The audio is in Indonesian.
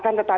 ya itu itu